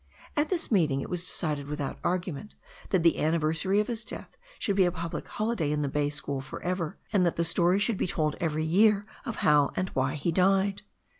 At this meeting it was decided without argument that the anniversary of his death should be a public holiday in the bay school for ever, and that the story should be told every year of how and why he died.